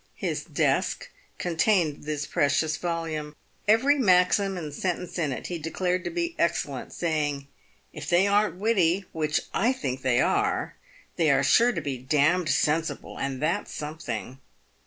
His desk contained this precious volume. Every maxim and sentence in it he declared to be excel lent, saying, " If they arn't witty — which I think they are — they are sure to be d — d sensible, and that's something."